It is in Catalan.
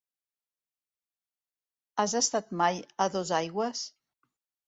Has estat mai a Dosaigües?